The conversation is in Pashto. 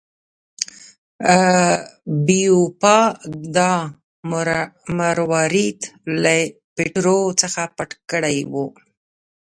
بیپو دا مروارید له پیټرو څخه پټ کړی و.